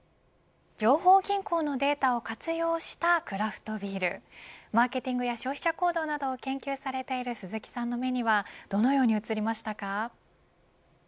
情報銀行のデータを活用したクラフトビールマーケティングや消費者行動などを研究されている鈴木さんの目にはどのように映りましたか。